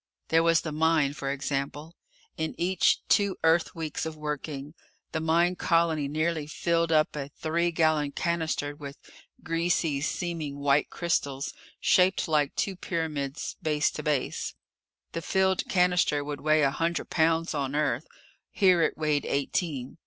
There was the mine, for example. In each two Earth weeks of working, the mine colony nearly filled up a three gallon cannister with greasy seeming white crystals shaped like two pyramids base to base. The filled cannister would weigh a hundred pounds on Earth. Here it weighed eighteen.